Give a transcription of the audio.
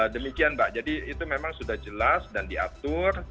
demikian mbak jadi itu memang sudah jelas dan diatur